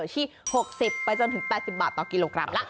ที่๖๐ไปจนถึง๘๐บาทต่อกิโลกรัมละ